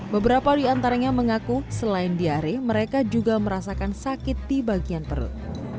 beberapa di antaranya mengaku selain diare mereka juga merasakan sakit di bagian perut